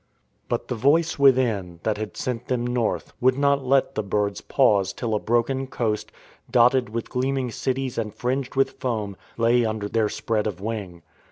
But the Voice within, that had sent them North, would not let the birds pause till a broken coast, dotted with gleaming cities and fringed with foam, lay under their spread of wing.